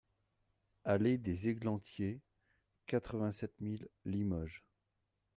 AlléE des Eglantiers, quatre-vingt-sept mille Limoges